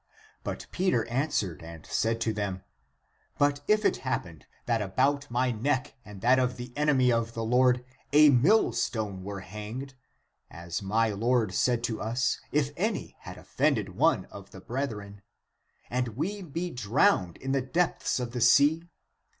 But Peter answered and said to them, " But if it happened that about my neck and that of the enemy of the Lord a millstone were hanged (as my Lord said to us, if any had oflfended one of the brethren), and we be drowned in the depths of the sea?